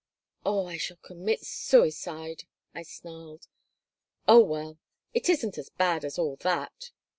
"Oh, I shall commit suicide," I snarled "Oh, well. It isn't as bad as all that."